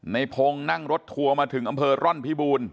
ในพงศ์นั่งรถทัวร์มาถึงอำเภอร่อนพิบูรณ